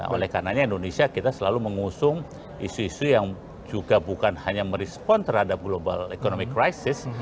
oleh karenanya indonesia kita selalu mengusung isu isu yang juga bukan hanya merespon terhadap global economic crisis